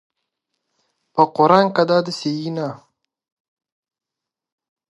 د کعبې انځور مخکې د لایټننګ بګز نوم مشهور و.